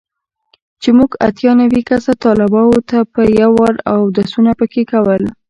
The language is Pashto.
چې موږ اتيا نوي کسه طلباو به په يو وار اودسونه پکښې کول.